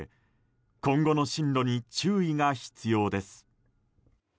今後の進路に注意が必要です。